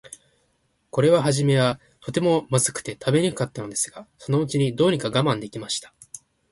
これははじめは、とても、まずくて食べにくかったのですが、そのうちに、どうにか我慢できました。